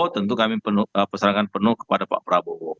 tentu kami pesankan penuh kepada pak prabowo